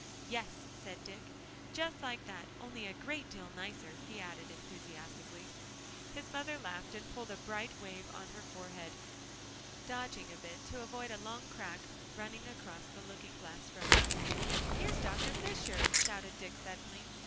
"Yes," said Dick, "just like that, only a great deal nicer," he added enthusiastically. His mother laughed and pulled at a bright wave on her forehead, dodging a bit to avoid a long crack running across the looking glass front. "Here's Dr. Fisher!" shouted Dick suddenly.